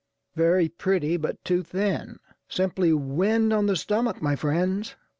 Very pretty, but too thinâ€"simply wind on the stomach, my friends.